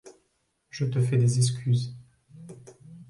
Je te fais des excuses.